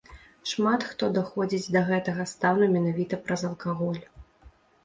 Шмат хто даходзіць да гэтага стану менавіта праз алкаголь.